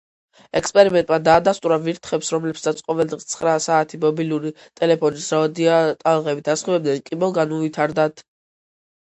ექსპერიმენტმა დაადასტურა, ვირთხებს, რომლებსაც ყოველდღე ცხრა საათი მობილური ტელეფონის რადიოტალღებით ასხივებდნენ, კიბო განუვითარდათ.